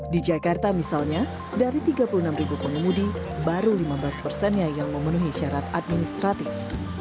di jakarta misalnya dari tiga puluh enam ribu pengemudi baru lima belas persennya yang memenuhi syarat administratif